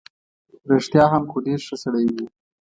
رښتیا هم، خو ډېر ښه سړی وو.